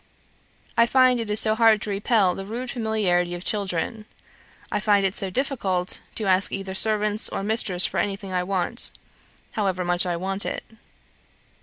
I find it so hard to repel the rude familiarity of children. I find it so difficult to ask either servants or mistress for anything I want, however much I want it.